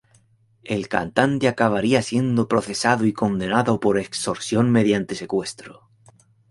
El cantante acabaría siendo procesado y condenado por extorsión mediante secuestro.